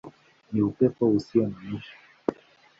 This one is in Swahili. Ni Upendo Usio na Mwisho.